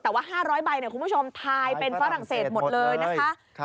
แต่ว่า๕๐๐ใบคุณผู้ชมทายเป็นฝรั่งเศสหมดเลยนะคะ